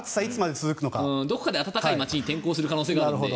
どこかで暖かい街に転向する可能性があるので。